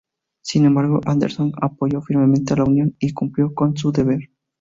Sin embargo, Anderson apoyó firmemente a la Unión y cumplió con su deber.